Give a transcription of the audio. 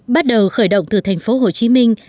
bắt đầu khởi động từ thành phố hồ chí minh